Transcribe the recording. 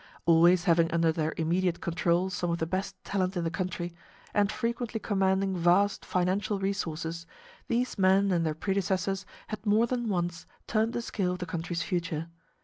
Always having under their immediate control some of the best talent in the country, and frequently commanding vast financial resources, these men and their predecessors had more than once turned the scale of the country's future.